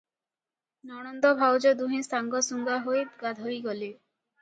ନଣନ୍ଦ ଭାଉଜ ଦୁହେଁ ସାଙ୍ଗସୁଙ୍ଗା ହୋଇ ଗାଧୋଇ ଗଲେ ।